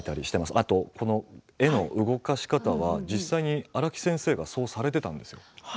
あと、紙の動かし方は、実際に荒木先生がそうされていたんですよ。